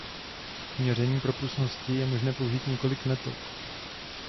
K měření propustnosti je možné použít několik metod.